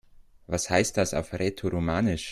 Was heißt das auf Rätoromanisch?